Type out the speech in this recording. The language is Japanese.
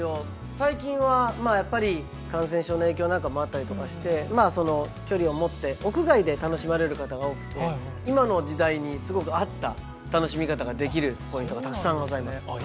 最近はやっぱり感染症の影響なんかもあったりとかして距離を持って屋外で楽しまれる方が多くて今の時代にすごく合った楽しみ方ができるポイントがたくさんございます。